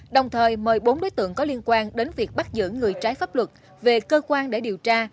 đồng thời mời bốn đối tượng có liên quan đến việc bắt giữ người trái pháp luật về cơ quan để điều tra